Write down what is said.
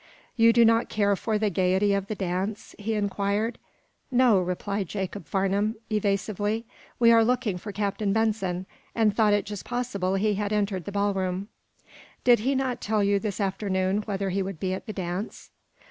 "You do not care for the gaiety of the dance?" he inquired. "No," replied Jacob Farnum, evasively. "We are looking for Captain Benson, and thought it just possible he had entered the ballroom." "Did he not tell you, this afternoon, whether he would be at the dance?"